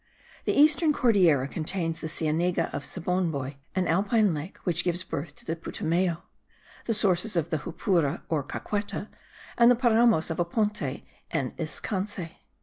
The eastern Cordillera contains the Sienega of Sebondoy (an alpine lake which gives birth to the Putumayo), the sources of the Jupura or Caqueta, and the Paramos of Aponte and Iscanse.